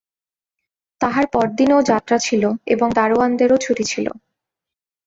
তাহার পরদিনেও যাত্রা ছিল এবং দরোয়ানেরও ছুটি ছিল।